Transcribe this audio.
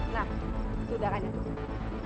nah itu darahnya tuh